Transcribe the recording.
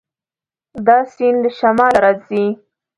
دا سیند له شماله راځي.